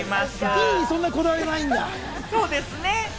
「Ｄ」にそんなこだわりないんだ。